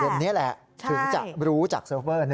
นี้แหละถึงจะรู้จากเซิร์ฟเวอร์